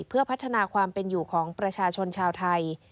เพื่อพัฒนาความเป็นอยู่ของประชาชนชาวไทย